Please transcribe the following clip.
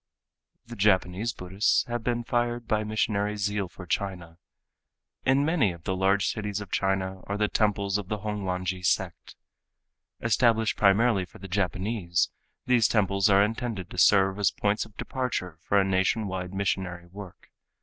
The Japanese Buddhists have been fired by missionary zeal for China. In many of the large cities of China are the temples of the Hongwanji sect. Established primarily for the Japanese, these temples are intended to serve as points of departure for a nation wide missionary work.